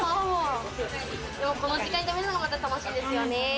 この時間に食べるのがまた楽しいんですよね。